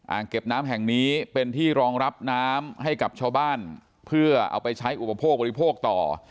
เก็บน้ำแห่งนี้เป็นที่รองรับน้ำให้กับชาวบ้านเพื่อเอาไปใช้อุปโภคบริโภคต่อ